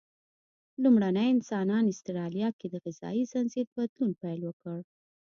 لومړني انسانان استرالیا کې د غذایي ځنځیر بدلولو پیل وکړ.